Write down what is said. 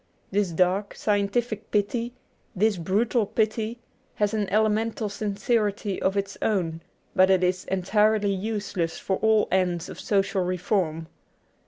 This dark, scientific pity, this brutal pity, has an elemental sincerity of its own, but it is entirely useless for all ends of social reform.